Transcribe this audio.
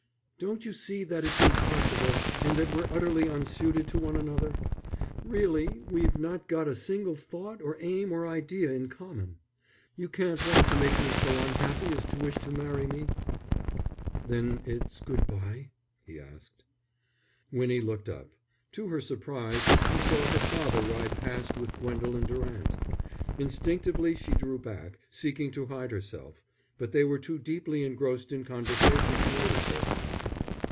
Don't you see that it's impossible, and that we're utterly unsuited to one another? Really we've not got a single thought or aim or idea in common. You can't want to make me so unhappy as to wish to marry me." "Then it's good bye?" he asked. Winnie looked up. To her surprise she saw her father ride past with Gwendolen Durant. Instinctively she drew back, seeking to hide herself; but they were too deeply engrossed in conversation to notice her.